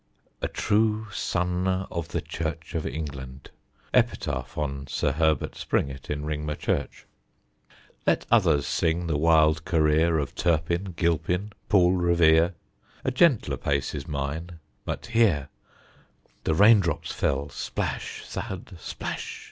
"A true sonne of the Church of England." Epitaph on Sir Herbert Springett, in Ringmer Church. Let others sing the wild career Of Turpin, Gilpin, Paul Revere. A gentler pace is mine. But hear! The raindrops fell, splash! thud! splash!